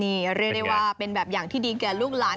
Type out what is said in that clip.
นี่เณี๋ยวว่าเป็นอย่างที่ดีเกิดลูกหลาน